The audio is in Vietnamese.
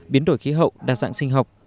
biến đổi khí hậu đa dạng sinh học